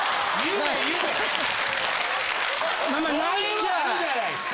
それはあるじゃないですか。